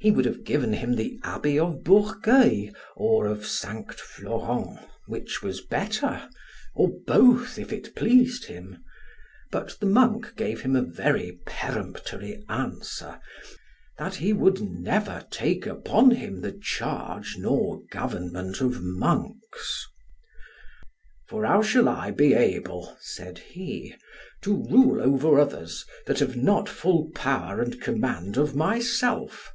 He would have given him the Abbey of Bourgueil, or of Sanct Florent, which was better, or both, if it pleased him; but the monk gave him a very peremptory answer, that he would never take upon him the charge nor government of monks. For how shall I be able, said he, to rule over others, that have not full power and command of myself?